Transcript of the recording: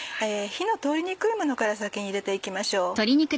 火の通りにくいものから先に入れて行きましょう。